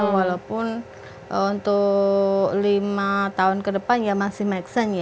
walaupun untuk lima tahun ke depan ya masih make sense ya